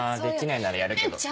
あできないならやるけど。